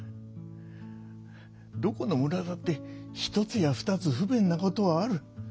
どこの村だってひとつやふたつ不便なことはある。